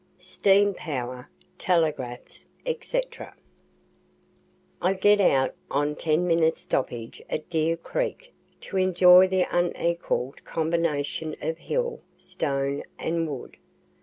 STEAM POWER, TELEGRAPHS, ETC I get out on a ten minutes' stoppage at Deer creek, to enjoy the unequal'd combination of hill, stone and wood.